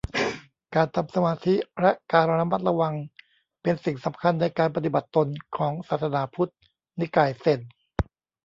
การทำสมาธิและการระมัดระวังเป็นสิ่งสำคัญในการปฏิบัติตนของศาสนาพุทธนิกายเซน